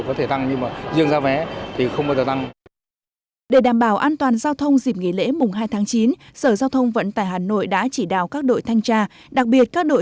cùng đó để đảm bảo an toàn giao thông tránh xảy ra ủn tắc huy động một trăm linh quân số